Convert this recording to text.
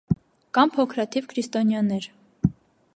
Կան փոքրաթիվ քրիստոնյաներ։